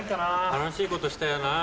楽しいことしたいよな。